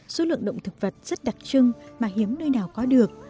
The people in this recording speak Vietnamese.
số lượng động thực vật rất đặc trưng mà hiếm nơi nào có được